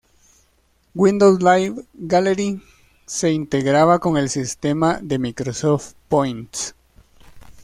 Windows Live Gallery se integraba con el sistema de Microsoft Points.